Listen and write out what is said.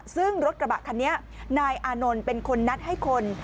ซึ่งรถกระบะคันนี้นายอานนท์เป็นคนนัดให้คน